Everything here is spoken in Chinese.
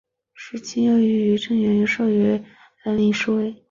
傅清于雍正元年授蓝翎侍卫。